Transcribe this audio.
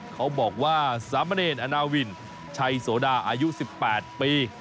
เขาบอกว่าสามเณรอนาวินชัยโสดาอายุ๑๘ปี